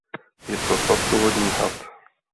Je to sladkovodní had.